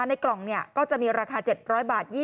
ในกล่องก็จะมีราคา๗๐๐บาท